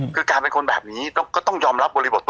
คือการเป็นคนแบบนี้ก็ต้องยอมรับบริบท